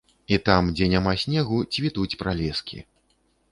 І там, дзе няма снегу, цвітуць пралескі.